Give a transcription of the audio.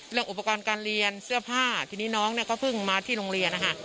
เรื่องอุปกรณ์การเรียนเสื้อผ้าทีนี้น้องเนี่ยก็เพิ่งมาที่โรงเรียนนะคะ